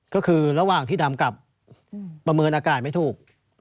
ก็คือระหว่างที่ดำกลับประเมินอากาศไม่ถูก